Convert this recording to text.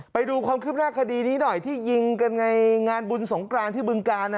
ไปดูความคืบหน้าคดีนี้หน่อยที่ยิงกันในงานบุญสงกรานที่บึงกาล